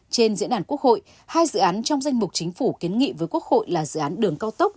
trên diễn đàn quốc hội hai dự án trong danh mục chính phủ kiến nghị với quốc hội là dự án đường cao tốc